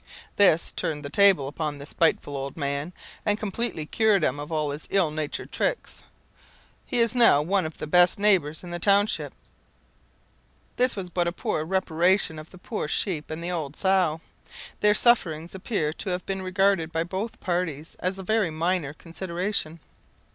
'" This turned the tables upon the spiteful old man, and completely cured him of all his ill natured tricks. He is now one of the best neighbours in the township. This was but a poor reparation to the poor sheep and the old sow. Their sufferings appear to have been regarded by both parties as a very minor consideration.